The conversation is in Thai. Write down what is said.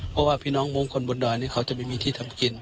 เพราะว่าพี่น้องมงคลบนดอยนี่เขาจะไม่มีที่ทำกิน